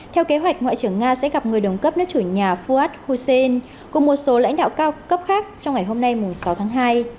theo kế hoạch ngoại trưởng nga sẽ gặp người đồng cấp nước chủ nhà fuad husein cùng một số lãnh đạo cao cấp khác trong ngày hôm nay sáu tháng hai